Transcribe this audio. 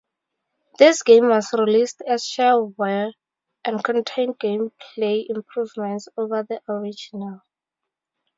This game was released as shareware and contained gameplay improvements over the original.